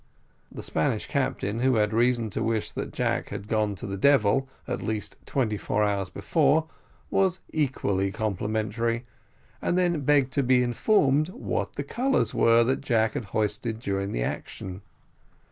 The Spanish captain, who had reason to wish that Jack had gone to the devil at least twenty four hours before, was equally complimentary, and then begged to be informed what the colours were that Jack had hoisted during the action.